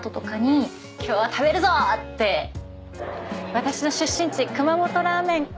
私の出身地熊本ラーメン。